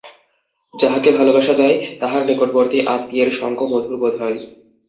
যাহাকে ভালোবাসা যায় তাহার নিকটবর্তী আত্মীয়ের সঙ্গ মধুর বোধ হয়।